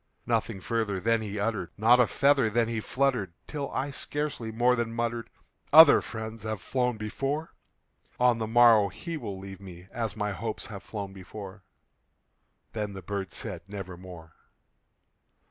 Nothing further then he uttered not a feather then he fluttered Till I scarcely more than muttered, "Other friends have flown before On the morrow he will leave me, as my hopes have flown before." Then the bird said, "Nevermore."